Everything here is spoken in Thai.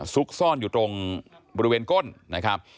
ซุกซ่อนอยู่ตรงบริเวณก้นนะครับ